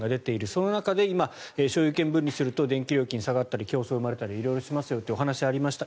その中で今、所有権分離すると電気料金が下がったり競争が生まれたり色々しますよというお話がありました。